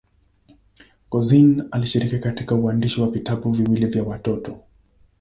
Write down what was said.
Couzyn alishiriki katika uandishi wa vitabu viwili vya watoto.